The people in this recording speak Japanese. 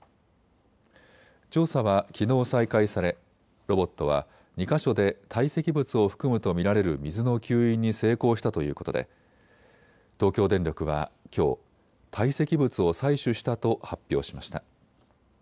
調査はきのう再開されロボットは２か所で堆積物を含むと見られる水の吸引に成功したということで東京電力はきょう、堆積物を採取したと発表しました。